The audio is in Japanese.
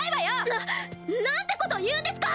ななんてこと言うんですか！